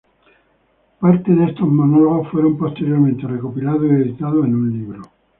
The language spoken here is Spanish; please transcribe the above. Parte de estos monólogos fueron posteriormente recopilados y editados en un libro.